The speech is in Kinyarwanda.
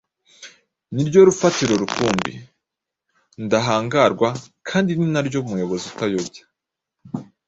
ni ryo rufatiro rukumbi ndahangarwa kandi ni na ryo muyobozi utayobya.